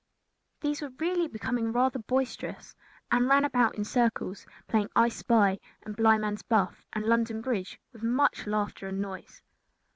These were really becoming rather boisterous and ran about in circles, playing "I spy," and blind man's buff, and London Bridge with much laughter and noise.